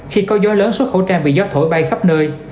khi có gió lớn xuất khẩu trang bị gió thổi bay khắp nơi